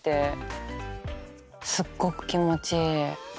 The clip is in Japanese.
すっごく気持ちいい。